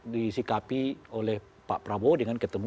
disikapi oleh pak prabowo dengan ketemu